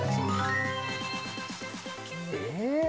え？